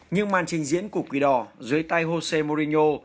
nhưng màn trình diễn của quỳ đỏ dưới tay jose mourinho